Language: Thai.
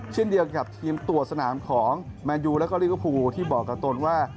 เช่นเดียวกับทีมตัวสนามของแมนยูแล้วก็ลิเวอร์ฟูที่บอกกับตนว่า